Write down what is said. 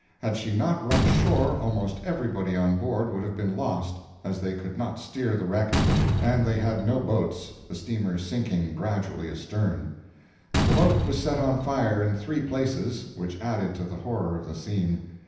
Had she not run ashore, almost everybody on board would have been lost, as they could not steer the wreck, and they had no boats, the steamer sinking gradually astern. The boat was set on fire in three places, which added to the horror of the scene.